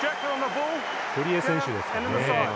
堀江選手ですかね。